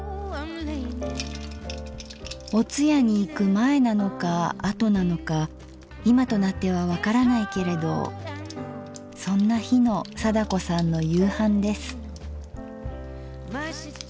お通夜に行く前なのか後なのか今となっては分からないけれどそんな日の貞子さんの夕飯です。